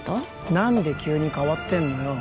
何で急にかわってんのよ？